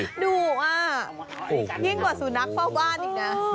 ดุอ่ะยิ่งกว่าสุนัขเฝ้าบ้านอีกนะ